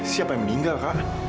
siapa yang meninggal kak